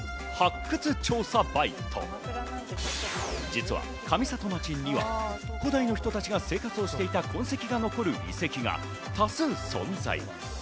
実は上里町には古代の人たちが生活をしていた痕跡が残る遺跡が多数存在。